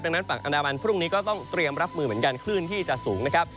ดังนั้นฝั่งอันดามันพรุ่งนี้ก็ต้องเตรียมรับมือเหมือนกันคลื่นที่จะสูงนะครับ